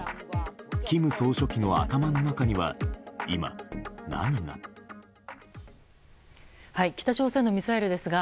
金総書記の頭の中には今、何が？